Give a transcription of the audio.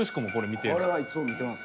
これはいつも見てます